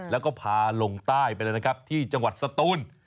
แล้วก็พาลงใต้ไปเลยนะครับที่จังหวัดสตูน